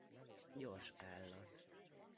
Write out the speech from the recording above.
Gyors állat.